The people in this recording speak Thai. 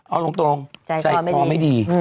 เอาตรงใจคอไม่ดี